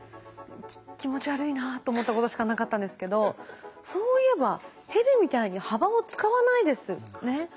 気持ち悪いなと思ったことしかなかったんですけどそういえば蛇みたいに幅を使わないですね。